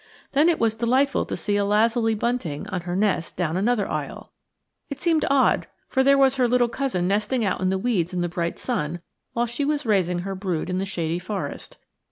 Then it was delightful to see a lazuli bunting on her nest down another aisle. It seemed odd, for there was her little cousin nesting out in the weeds in the bright sun, while she was raising her brood in the shady forest.